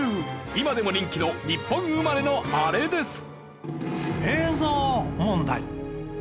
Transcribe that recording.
今でも人気の日本生まれのあれです。